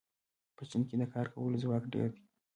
په چین کې د کار کولو ځواک ډېر دی.